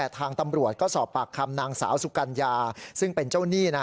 ทางตำรวจก็สอบปากคำนางสาวสุกัญญาซึ่งเป็นเจ้าหนี้นะ